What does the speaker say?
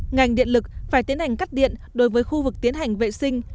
ngành điện lực phải tiến hành cắt điện đối với khu vực tiến hành vệ sinh